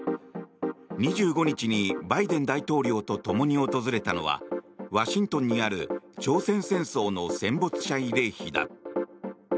２５日にバイデン大統領と共に訪れたのはワシントンにある朝鮮戦争の戦没者慰霊碑だ。